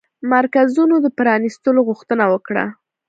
مرکزونو د پرانيستلو غوښتنه وکړه